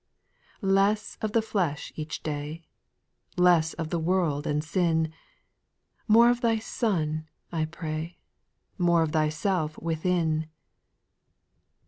4. Less of the flesh each day, Less of the world and sin ; More of Thy Son, I pray. More of Thyself within.